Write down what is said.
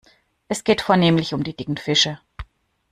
Es geht vornehmlich um die dicken Fische.